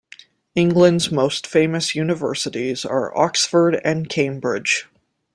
England’s most famous universities are Oxford and Cambridge